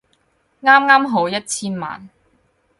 啱啱好一千萬